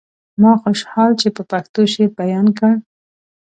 ما خوشحال چې په پښتو شعر بيان کړ.